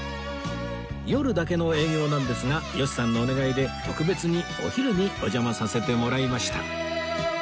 夜だけの営業なんですが吉さんのお願いで特別にお昼にお邪魔させてもらいました